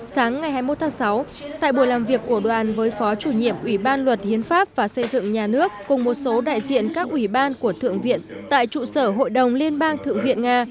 sáng ngày hai mươi một tháng sáu tại buổi làm việc của đoàn với phó chủ nhiệm ủy ban luật hiến pháp và xây dựng nhà nước cùng một số đại diện các ủy ban của thượng viện tại trụ sở hội đồng liên bang thượng viện nga